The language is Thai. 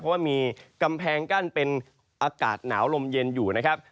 เพราะว่ามีกำแพงกั้นเป็นอากาศหนาวลมเย็นอยู่นะครับ